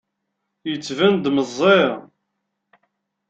Yettban-d meẓẓi.